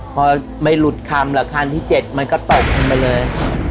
พอไม่หลุดคำแล้วคันที่๗มันก็ตกลงไปเลย